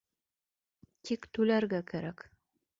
Тик түләргә кәрәк.